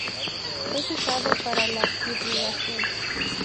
Es usado para la irrigación.